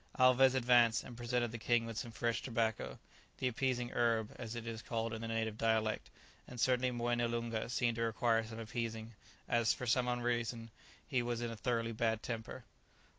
Alvez advanced and presented the king with some fresh tobacco, "the appeasing herb," as it is called in the native dialect; and certainly Moené Loonga seemed to require some appeasing, as, for some unknown reason, he was in a thoroughly bad temper.